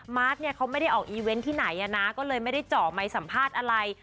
เนี่ยเขาไม่ได้ออกอีเวนต์ที่ไหนนะก็เลยไม่ได้เจาะไมค์สัมภาษณ์อะไร